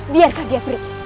biarkan dia pergi